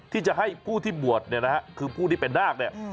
ที่จะให้ผู้ที่บวชเนี่ยนะฮะคือผู้ที่เป็นนาคเนี่ย